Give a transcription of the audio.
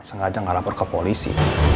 sengaja nggak lapor ke polisi